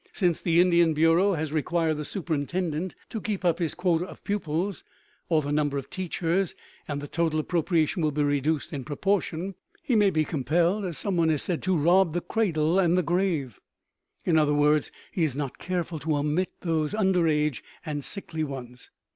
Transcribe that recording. Since the Indian Bureau has required the superintendent to keep up his quota of pupils, or the number of teachers and the total appropriation will be reduced in proportion, he may be compelled, as some one has said, to "rob the cradle and the grave" in other words, he is not careful to omit those under age and the sickly ones.